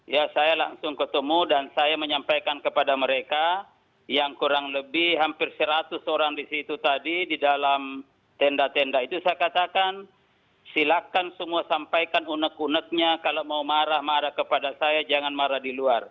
ya saya langsung ketemu dan saya menyampaikan kepada mereka yang kurang lebih hampir seratus orang di situ tadi di dalam tenda tenda itu saya katakan silakan semua sampaikan unek uneknya kalau mau marah marah kepada saya jangan marah di luar